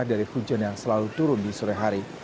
dari hujan yang selalu turun di sore hari